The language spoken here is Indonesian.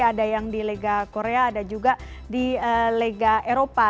ada yang di liga korea ada juga di liga eropa